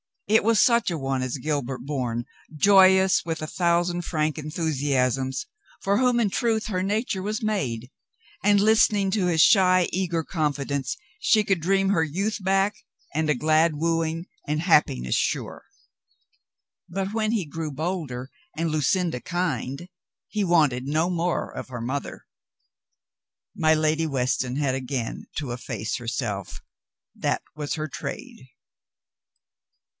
It was such a one as Gilbert Bourne, joyous with a thousand frank enthusiasms, for whom in truth her nature was made, and, listening to his shy, eager confidence, she could dream her youth back, and a glad wooing, and happiness sure. But when he grew bolder and Lu cinda kind, he wanted no more of her mother. My Lady Weston had again to efface herself. That was her trade.